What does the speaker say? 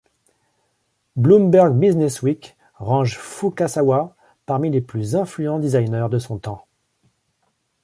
Bloomberg Businessweek range Fukasawa parmi les plus influents designeurs de son temps.